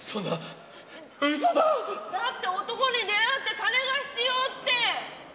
だって男に出会って金が必要って！